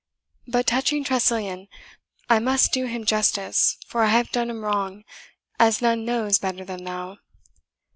But touching Tressilian I must do him justice, for I have done him wrong, as none knows better than thou.